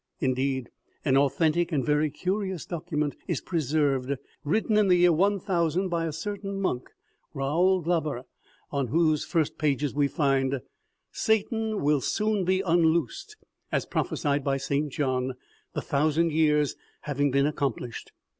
Indeed, an authentic and very curious document is preserved, written in the year 1000 by a certain monk, Raoul Glaber, on whose first pages we find :" Satan will soon be unloosed, as prophesied by St. John, the thozisand years having been accomplished.